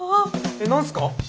えっ何すか？